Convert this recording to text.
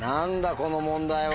この問題は。